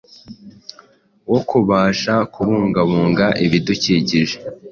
wo kubasha kubungabunga ibidukikije